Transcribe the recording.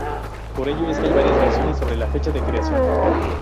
Por ello es que hay varias versiones sobre la fecha de creación.